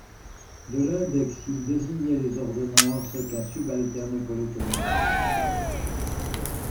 De l'index il désignait les ordonnances qu'un subalterne collait au mur.